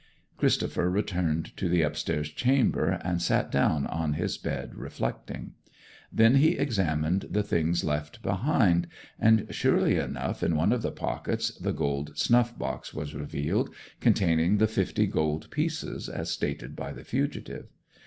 Christopher returned to the upstairs chamber, and sat down on his bed reflecting. Then he examined the things left behind, and surely enough in one of the pockets the gold snuff box was revealed, containing the fifty gold pieces as stated by the fugitive.